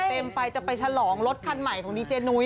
เต็มไปจะไปฉลองรถคันใหม่ของดีเจนุ้ย